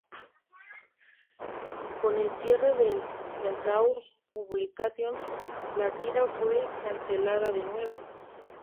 Con el cierre de Centaur Publications, la tira fue cancelada de nuevo.